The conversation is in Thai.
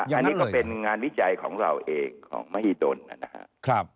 อันนี้ก็เป็นงานวิจัยของเราเองของมหิดลนะครับ